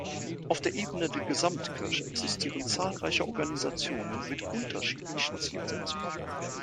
Auf der Ebene der Gesamtkirche existieren zahlreiche Organisationen mit unterschiedlichen Zielsetzungen.